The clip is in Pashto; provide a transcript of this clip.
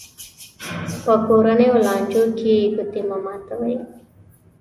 په کورنیو لانجو کې ګوتې مه ماتوي.